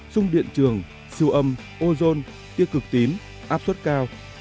chung điện trường siêu âm ozone tia cực tím áp suất cao